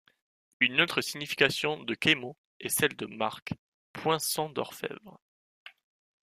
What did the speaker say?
Une autre signification de keimo est celle de marque, poinçon d'orfèvre.